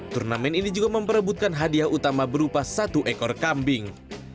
turnamen ini juga memperebutkan hadiah utama berupa satu ekor kambing